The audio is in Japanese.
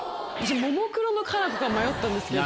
ももクロの夏菜子か迷ったんですけど。